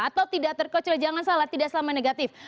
atau tidak terkecil jangan salah tidak selama negatif